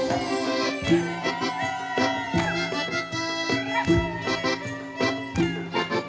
แล้วก็กดเอาล่ายังไม่มีเพลิง